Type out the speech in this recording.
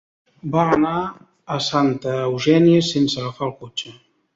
Va anar a Santa Eugènia sense agafar el cotxe.